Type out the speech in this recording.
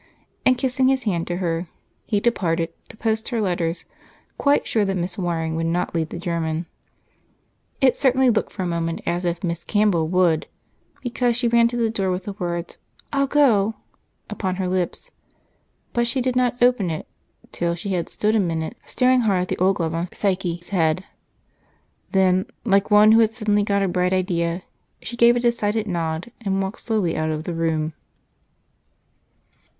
And kissing his hand to her, he departed to post her letters, quite sure that Miss Waring would not lead the German. It certainly looked for a moment as if Miss Campbell would, because she ran to the door with the words "I'll go" upon her lips. But she did not open it till she had stood a minute staring hard at the old glove on Psyche's head; then like one who had suddenly gotten a bright idea, she gave a decided nod and walked slowly out of the room.